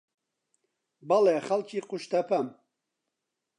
بەڵێ، خەڵکی قوشتەپەم.